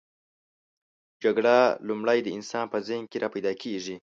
جګړه لومړی د انسان په ذهن کې راپیداکیږي.